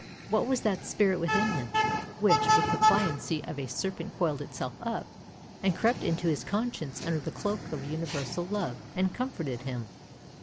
What was that spirit within him, which, with the pliancy of a serpent coiled itself up, and crept into his conscience under the cloak of universal love, and comforted him?